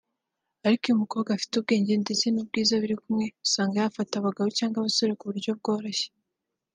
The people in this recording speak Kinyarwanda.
Ariko iyo umukobwa afite ubwenge ndetse n’ubwiza biri kumwe usanga yafata abagabo cyangwa abasore ku buryo bworoshye